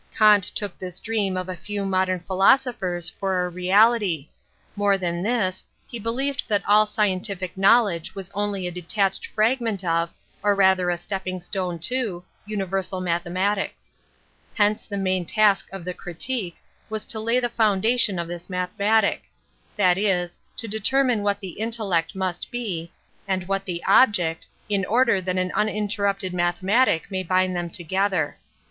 Kant ^ took this dream of a few modem philosophers for a reality; more than this, he believed that all scientific knowledge was only a detached fragment of, or rather a stepping stone to, universal mathematics, Henr e the main task of the Critique was to lay the foundation of this mathematic — that is, to determine what the intellect must be, and what the object, in order that an uninterrupted mathe matic may bind them together.